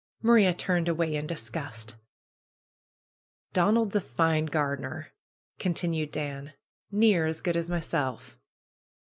Maria turned away in disgust. '^Donald's a fine gardener !" continued Ban. ^^Near as good as myself."